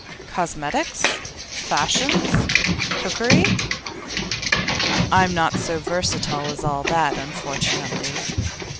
'Cosmetics? Fashions? Cookery?' 'I'm not so versatile as all that, unfortunately.